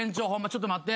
ちょっと待って。